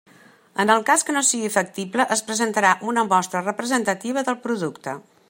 En el cas que no sigui factible es presentarà una mostra representativa del producte.